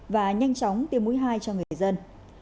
và nhanh chóng tiêm mũi hai cho người dân